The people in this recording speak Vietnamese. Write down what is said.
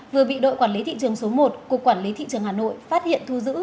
vừa bị đội quản lý thị trường số một cục quản lý thị trường hà nội phát hiện thu giữ